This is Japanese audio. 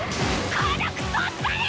このくそったれ！